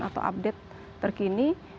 atau update terkini